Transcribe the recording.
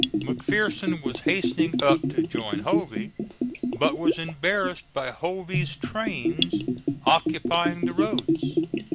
McPherson was hastening up to join Hovey, but was embarrassed by Hovey's trains occupying the roads.